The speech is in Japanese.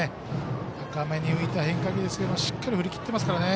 高めに浮いた変化球ですけどしっかり振りきってますからね。